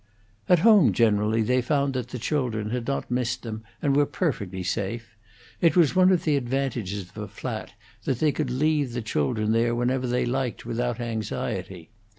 At home, generally, they found that the children had not missed them, and were perfectly safe. It was one of the advantages of a flat that they could leave the children there whenever they liked without anxiety.